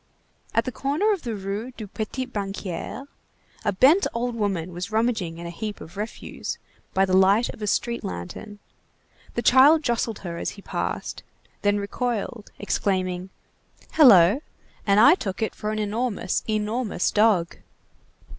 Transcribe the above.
At the corner of the Rue du Petit Banquier, a bent old woman was rummaging in a heap of refuse by the light of a street lantern; the child jostled her as he passed, then recoiled, exclaiming:— "Hello! And I took it for an enormous, enormous dog!"